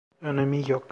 Önemi yok.